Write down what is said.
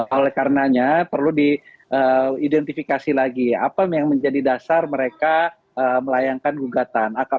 oleh karenanya perlu diidentifikasi lagi apa yang menjadi dasar mereka melayangkan gugatan